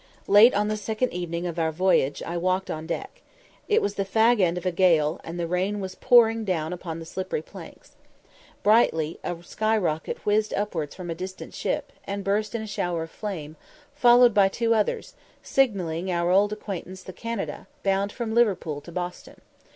Late on the second evening of our voyage, I walked on deck. It was the "fag end" of a gale, and the rain was pouring down upon the slippery planks. Brightly a skyrocket whizzed upwards from a distant ship, and burst in a shower of flame, followed by two others, signalling our old acquaintance the Canada, bound from Liverpool to Boston.